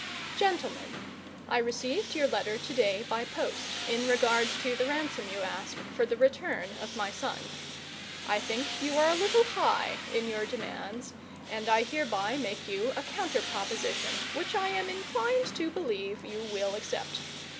Gentlemen:_ I received your letter to day by post, in regard to the ransom you ask for the return of my son. I think you are a little high in your demands, and I hereby make you a counter proposition, which I am inclined to believe you will accept.